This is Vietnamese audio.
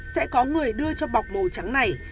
sẽ có người đưa cho bọc màu trắng này